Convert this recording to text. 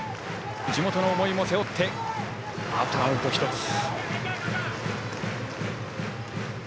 地元の思いも背負ってあとアウト１つ。